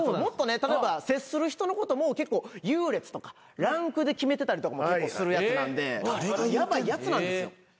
例えば接する人のことも結構優劣とかランクで決めてたりとかもするやつなんでヤバいやつなんですよ。